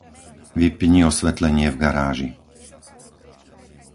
Vypni osvetlenie v garáži.